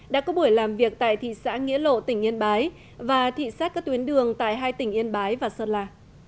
đã có buổi làm việc tại thị xã nghĩa lộ tỉnh yên bái và thị xác các tuyến đường tại hai tỉnh yên bái và sơn la